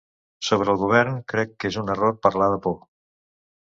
Sobre el govern, crec que és un error parlar de por.